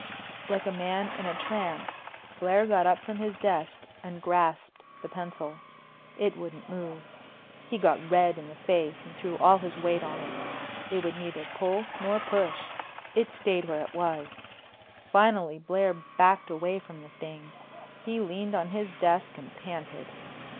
Like a man in a trance, Blair got up from his desk and grasped the pencil. It wouldn't move. He got red in the face and threw all his weight on it. It would neither pull nor push. It stayed where it was. Finally Blair backed away from the thing. He leaned on his desk and panted.